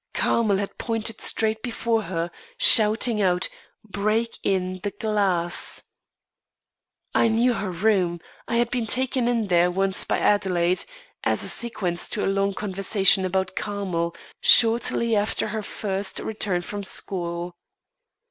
Carmel had pointed straight before her, shouting out: "Break in the glass!" I knew her room; I had been taken in there once by Adelaide, as a sequence to a long conversation about Carmel, shortly after her first return from school.